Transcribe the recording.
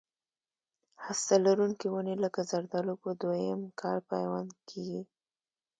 هسته لرونکي ونې لکه زردالو په دوه یم کال پیوند کېږي.